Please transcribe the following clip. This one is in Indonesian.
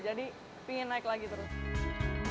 jadi pingin naik lagi terus